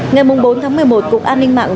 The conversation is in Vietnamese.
ngày bốn tháng một mươi một cục an ninh mạng